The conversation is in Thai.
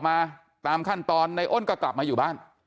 เป็นแทรกตามขั้นตอนในอ้นก็กลับมาอยู่บ้าน